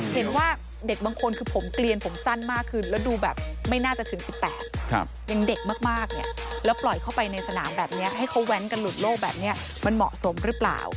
เห็นว่าเด็กบางคนคือผมเกลียนผมสั้นมากขึ้นแล้วดูแบบไม่น่าจะถึง๑๘ยังเด็กมากเนี่ยแล้วปล่อยเข้าไปในสนามแบบนี้ให้เขาแว้นกันหลุดโลกแบบนี้มันเหมาะสมหรือเปล่า